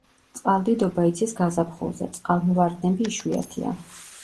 წყალდიდობა იცის გაზაფხულზე, წყალმოვარდნები იშვიათია.